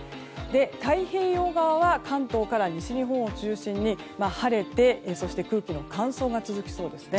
太平洋側は関東から西日本を中心に晴れて空気の乾燥が続きそうです。